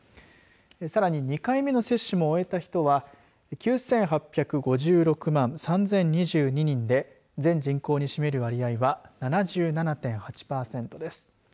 さらに２回目の接種も終えた人は９８５６万３０２２人で全人口に占める割合は７７．８パーセントです。